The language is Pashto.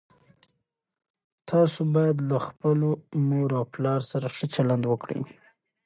تاسو باید له خپلو مور او پلار سره ښه چلند وکړئ.